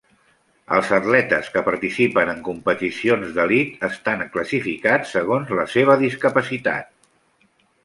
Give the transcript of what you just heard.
Els atletes que participen en competicions d'elit estan classificats segons la seva discapacitat.